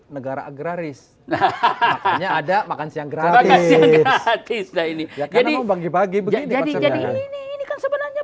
negara agraris hahahannya ada makan siang gratis gratis ini jadi pagi pagi begitu jadi jadi ini